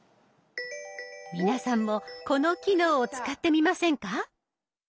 皆さんもこの機能を使ってみませんか？